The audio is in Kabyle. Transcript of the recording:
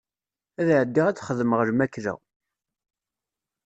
Ad ɛeddiɣ ad xedmeɣ lmakla.